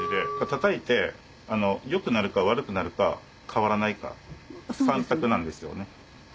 たたいて良くなるか悪くなるか変わらないか３択なんですよね。